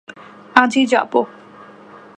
আজই যাবো।